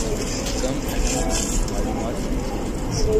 یہ کم اہم معلومات نہیں تھیں۔